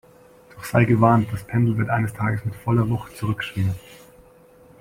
Doch sei gewarnt, das Pendel wird eines Tages mit voller Wucht zurückschwingen